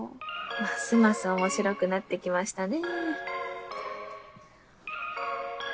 ますます面白くなってきましたね。